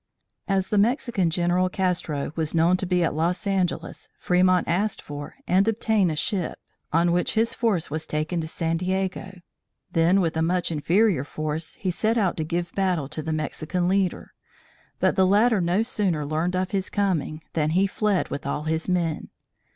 As the Mexican General, Castro, was known to be at Los Angeles, Fremont asked for and obtained a ship on which his force was taken to San Diego. Then with a much inferior force, he set out to give battle to the Mexican leader; but the latter no sooner learned of his coming, than he fled with all his men.